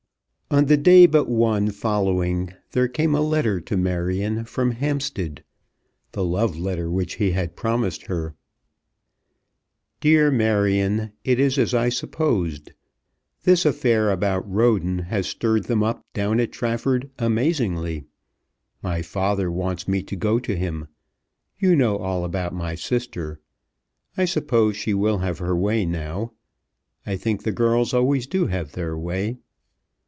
On the day but one following there came a letter to Marion from Hampstead, the love letter which he had promised her; DEAR MARION It is as I supposed. This affair about Roden has stirred them up down at Trafford amazingly. My father wants me to go to him. You know all about my sister. I suppose she will have her way now. I think the girls always do have their way.